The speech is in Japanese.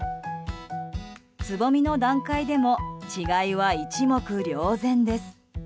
つぼみの段階でも違いは一目瞭然です。